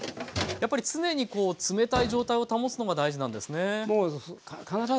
やっぱり常にこう冷たい状態を保つのが大事なんですね。